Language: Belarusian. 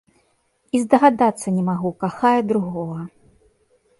І здагадацца не магу, кахае другога.